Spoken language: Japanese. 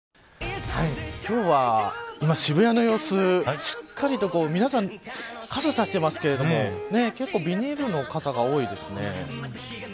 今日は渋谷の様子しっかりと皆さん傘差してますけれども結構、ビニール傘が多いですね。